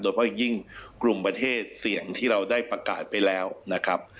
เพราะยิ่งกลุ่มประเทศเสี่ยงที่เราได้ประกาศไปแล้วนะครับ